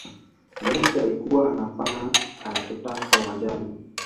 messi alikuwa anafanya anachotaka uwanjani